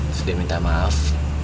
terus dia minta maaf